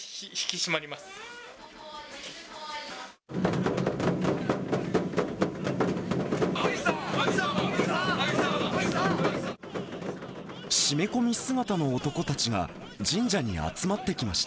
締め込み姿の男たちが、神社に集まってきました。